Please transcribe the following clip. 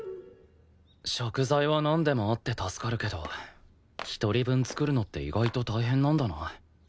食材はなんでもあって助かるけど１人分作るのって意外と大変なんだな。